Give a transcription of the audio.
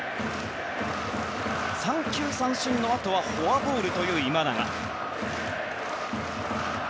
三球三振のあとはフォアボールという今永。